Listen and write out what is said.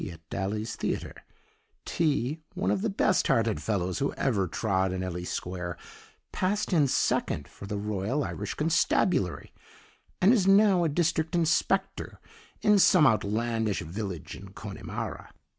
at Daly's Theatre. T, one of the best hearted fellows who ever trod in Ely Square, passed in second for the Royal Irish Constabulary, and is now a District Inspector in some outlandish village in Connemara.